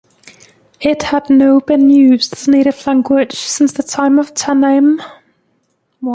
It had no been used as native language since the time of Tannaim.